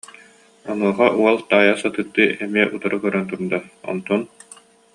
Онуоха уол таайа сатыырдыы эмиэ утары көрөн турда, онтон: